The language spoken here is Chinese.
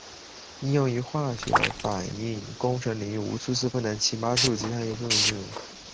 应用于化学反应工程领域的无因次群八田数即是以他之名命名的。